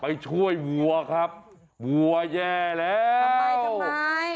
ไปช่วยบัวครับบัวแย่แล้วทำไมทำไม